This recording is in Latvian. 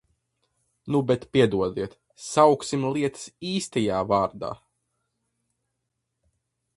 Nu, bet, piedodiet, sauksim lietas īstajā vārdā!